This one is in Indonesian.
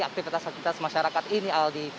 aktivitas aktivitas masyarakat ini aldi